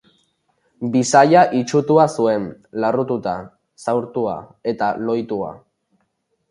Bisaia itsusitua zuen, larrutua, zaurtua eta lohitua.